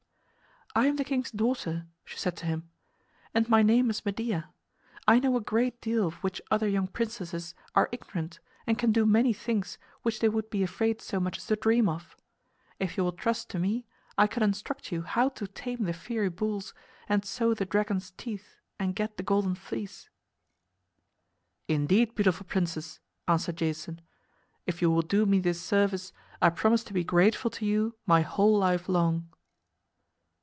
"I am the king's daughter," she said to him, "and my name is Medea. I know a great deal of which other young princesses are ignorant and can do many things which they would be afraid so much as to dream of. If you will trust to me I can instruct you how to tame the fiery bulls and sow the dragon's teeth and get the Golden Fleece." "Indeed, beautiful princess," answered Jason, "if you will do me this service I promise to be grateful to you my whole life long."